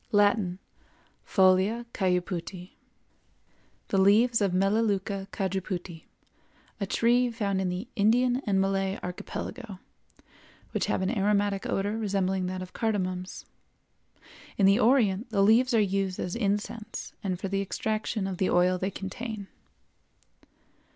Latin—Folia Cajuputi. The leaves of Melaleuca Cajuputi, a tree found in the Indian and Malay Archipelago, which have an aromatic odor resembling that of cardamoms. In the Orient the leaves are used as incense and for the extraction of the oil they contain.